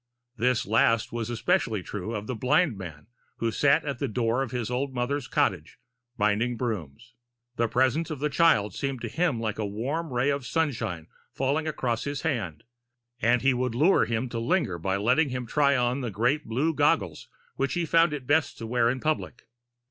This last was especially true of the blind man who sat at the door of his old mother's cottage binding brooms. The presence of the child seemed to him like a warm ray of sunshine falling across his hand, and he would lure him to linger by letting him try on the great blue goggles which he found it best to wear in public.